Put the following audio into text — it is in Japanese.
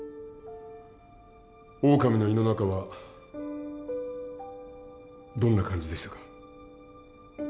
オオカミの胃の中はどんな感じでしたか？